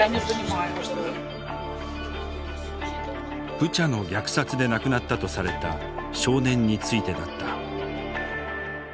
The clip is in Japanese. ブチャの虐殺で亡くなったとされた少年についてだった。